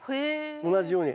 同じように。